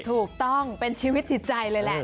ถูกต้องเป็นชีวิตจิตใจเลยแหละ